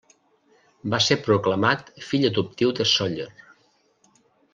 Va ser proclamat Fill Adoptiu de Sóller.